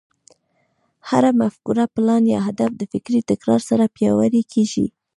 هره مفکوره، پلان، يا هدف د فکري تکرار سره پياوړی کېږي.